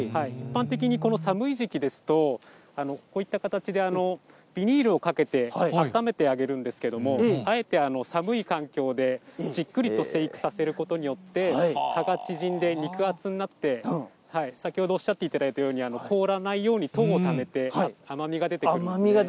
一般的にこの寒い時期ですと、こういった形で、ビニールをかけて、あたためてあげるんですけれども、あえて寒い環境でじっくりと生育させることによって、葉が縮んで、肉厚になって、先ほどおっしゃっていただきましたように、凍らないように糖をためて、甘みが出てくるんですね。